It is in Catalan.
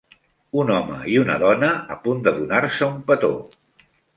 un home i una dona a punt de donar-se un petó